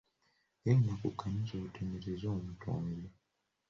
Genda ku kkanisa otenedereze omutonzi.